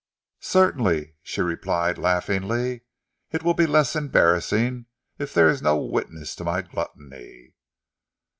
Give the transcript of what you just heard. "Certainly," she replied laughingly. "It will be less embarrassing if there is no witness of my gluttony."